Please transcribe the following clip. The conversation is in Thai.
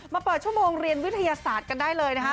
เปิดชั่วโมงเรียนวิทยาศาสตร์กันได้เลยนะคะ